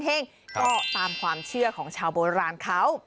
ก็ตามความเชื่อของชาวโบราณเขา